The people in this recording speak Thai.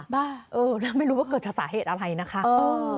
บ้าเออแล้วไม่รู้ว่าเกิดจากสาเหตุอะไรนะคะ